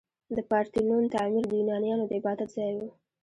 د پارتینون تعمیر د یونانیانو د عبادت ځای و.